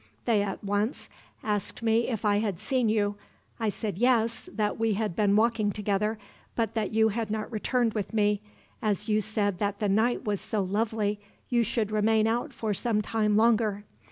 They at once asked me if I had seen you. I said yes, that we had been walking together, but that you had not returned with me, as you said that the night was so lovely you should remain out for some time longer.